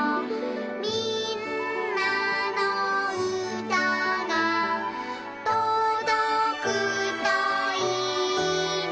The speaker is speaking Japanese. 「みんなのうたがとどくといいな」